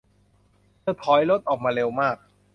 เธอถอยรถออกมาเร็วมาก